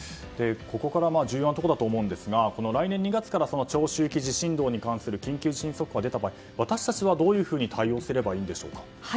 ここから重要なところだと思うんですが、来年２月から長周期地震動に関する緊急地震速報が出た場合私たちはどう対応すればいいですか。